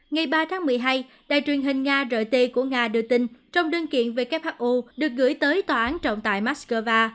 ngày ba tháng một mươi hai đài truyền hình nga rt của nga đưa tin trong đơn kiện who được gửi tới tòa án trọng tại moscow